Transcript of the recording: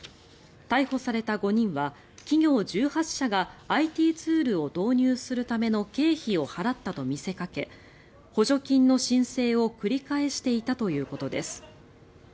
逮捕された５人は企業１８社がＩＴツールを導入するための経費を払ったと見せかけ補助金の申請を繰り返していたということです。